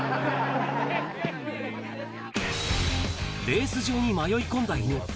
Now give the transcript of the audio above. レース場に迷い込んだ犬。